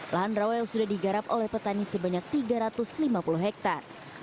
lahan rawel sudah digarap oleh petani sebanyak tiga ratus lima puluh hektare